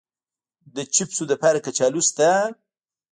د چپسو لپاره کچالو شته؟